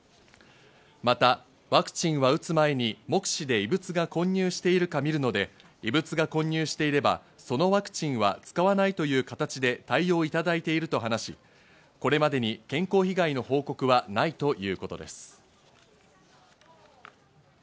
またワクチンは打つ前に目視で異物が混入しているか見るので、異物が混入していれば、そのワクチンは使わないという形で対応いただいていると話し、これまでに健康被害の報告はないということです。